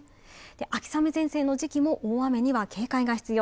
秋雨前線の時期も大雨には警戒が必要